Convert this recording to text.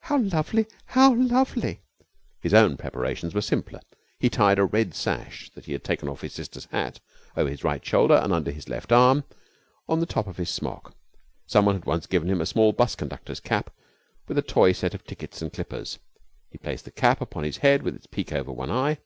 "How lovely! How lovely!" His own preparations were simpler. He tied a red sash that he had taken off his sister's hat over his right shoulder and under his left arm on the top of his smock. Someone had once given him a small 'bus conductor's cap with a toy set of tickets and clippers. He placed the cap upon his head with its peak over one eye.